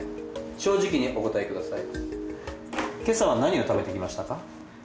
正直にお答えください。